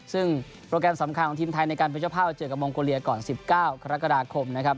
ซึ่งโปรแกรมสำคัญของทีมไทยในการเป็นเจ้าภาพเจอกับมองโกเลียก่อน๑๙กรกฎาคมนะครับ